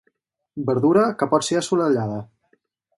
Verdura que pot ser assolellada.